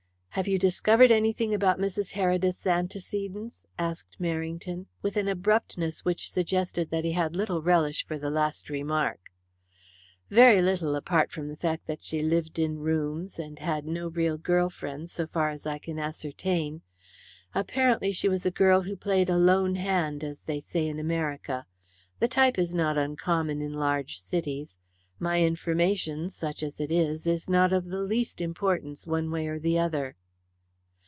"Have you discovered anything about Mrs. Heredith's antecedents?" asked Merrington with an abruptness which suggested that he had little relish for the last remark. "Very little, apart from the fact that she lived in rooms, and had no real girl friends, so far as I can ascertain. Apparently she was a girl who played a lone hand, as they say in America. The type is not uncommon in large cities. My information, such as it is, is not of the least importance one way or the other."